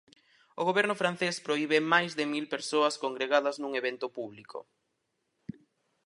O Goberno francés prohibe máis de mil persoas congregadas nun evento público.